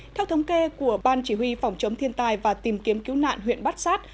theo thống kê của ban chỉ huy phòng chống thiên tai và tìm kiếm cứu nạn huyện bát sát